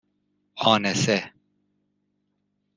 آنِسه